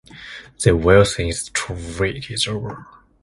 They will think the trick is over.